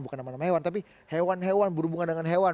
bukan nama nama hewan tapi hewan hewan berhubungan dengan hewan